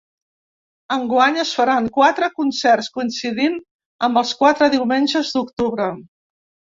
Enguany es faran quatre concerts, coincidint amb els quatre diumenges d’octubre.